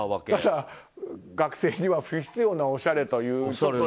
ただ、学生には不必要なおしゃれという。